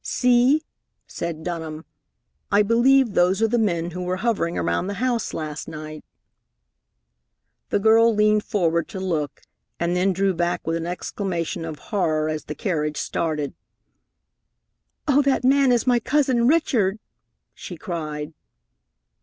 "See!" said Dunham. "I believe those are the men who were hovering around the house last night." The girl leaned forward to look, and then drew back with an exclamation of horror as the carriage started. "Oh, that man is my cousin Richard," she cried.